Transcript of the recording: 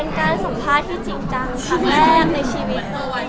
เป็นการสัมภาษณ์ที่จริงจังครับแม่ในชีวิต